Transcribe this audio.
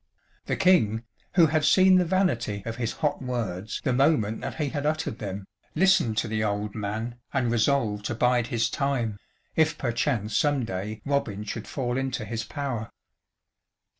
The King, who had seen the vanity of his hot words the moment that he had uttered them, listened to the old man, and resolved to bide his time, if perchance some day Robin should fall into his power.